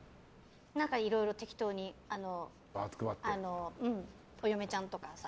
いろいろ、適当にお嫁ちゃんとかにさ。